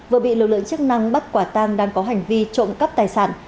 vừa bị lực lượng chức năng bắt quả tang đang có hành vi trộm cắp tài sản